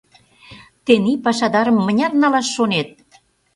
— Тений пашадарым мыняр налаш шонет?